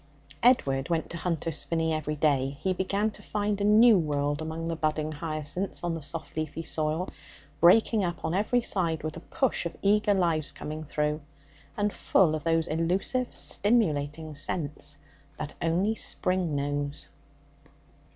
Edward went to Hunter's Spinney every day. He began to find a new world among the budding hyacinths on the soft leafy soil, breaking up on every side with the push of eager lives coming through, and full of those elusive, stimulating scents that only spring knows.